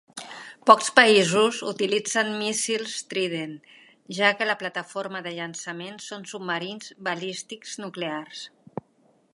Pocs països utilitzen míssils Trident, ja que la plataforma de llançament són submarins Balístics Nuclears.